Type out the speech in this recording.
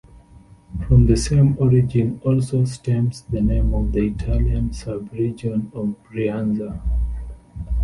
From the same origin also stems the name of the Italian sub-region of Brianza.